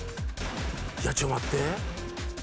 ちょっと待って。